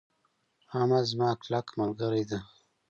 احمد زما کلک ملګری ده.